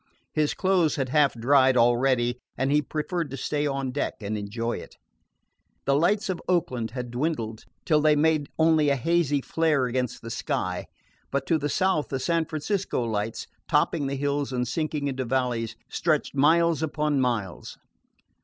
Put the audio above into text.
His clothes had half dried already, and he preferred to stay on deck and enjoy it. The lights of Oakland had dwindled till they made only a hazy flare against the sky; but to the south the San Francisco lights, topping hills and sinking into valleys, stretched miles upon miles.